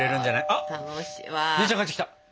あっ姉ちゃん帰ってきた。